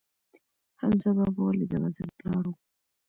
حمزه بابا ولې د غزل پلار و؟